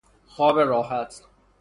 خواب راحت